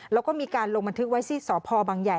แล้วก็มีการลงบันทึกไว้ที่สพบังใหญ่